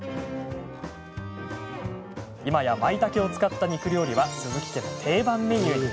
今や、まいたけを使った肉料理は鈴木家の定番メニューに。